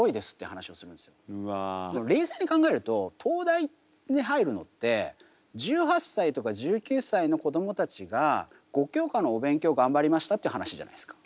冷静に考えると東大に入るのって１８歳とか１９歳の子どもたちが５教科のお勉強頑張りましたって話じゃないですか。